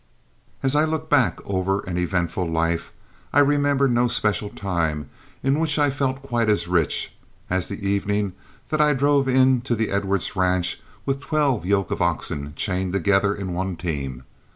As I look back over an eventful life, I remember no special time in which I felt quite as rich as the evening that I drove into the Edwards ranch with twelve yoke of oxen chained together in one team.